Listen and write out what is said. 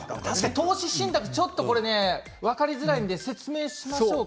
投資信託分かりづらいので説明しましょうか。